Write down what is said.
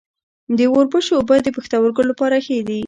د وربشو اوبه د پښتورګو لپاره ښې دي.